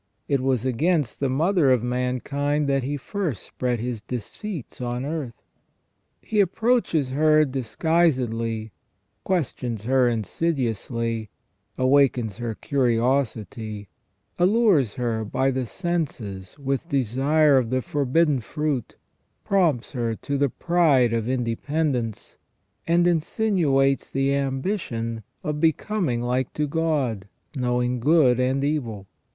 It was against the mother of mankind that he first spread his deceits on earth. He approaches her disguisedly, questions her insidiously, awakens her curiosity, allures her by the senses with desire of the forbidden fruit, prompts her to the pride of independence, and insinuates the ambition of becoming like to God, knowing good and evil.